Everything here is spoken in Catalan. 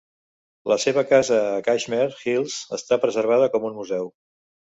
La seva casa a Cashmere Hills està preservada com un museu.